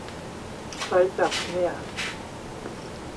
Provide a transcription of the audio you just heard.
ใครจัดเนี่ย ?